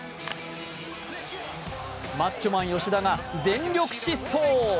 マッチョマン吉田が全力疾走。